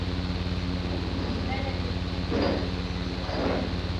Wengu kufura